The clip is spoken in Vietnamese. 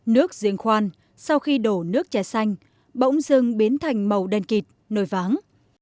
nước diễn khoan sau khi đổ nước trà xanh bỗng dưng biến thành màu đen kịt nổi váng